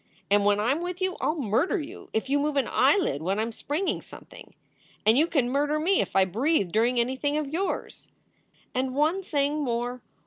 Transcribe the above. And when I m with you I ll murder you if you move an eyelid when I m springing something. And you can murder me if I breathe during anything of yours. And one thing more.